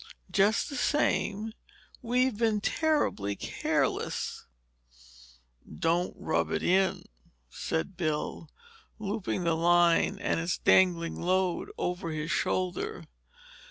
"Just the same, we've been terribly careless!" "Don't rub it in," said Bill, looping the line and its dangling load over his shoulder.